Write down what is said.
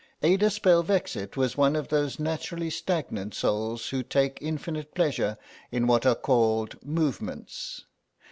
Ada Spelvexit was one of those naturally stagnant souls who take infinite pleasure in what are called "movements."